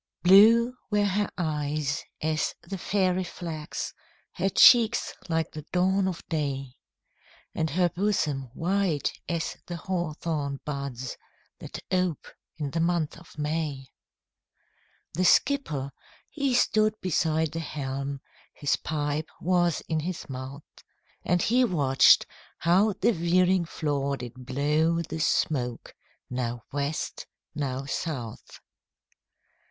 Blue were her eyes as the fairy flax, Her cheeks like the dawn of day, And her bosom white as the hawthorn buds, That ope in the month of May. The skipper he stood beside the helm, His pipe was in his mouth, And he watched how the veering flaw did blow The smoke now West, now South.